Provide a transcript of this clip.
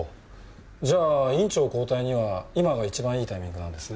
じゃあ院長交代には今が一番いいタイミングなんですね。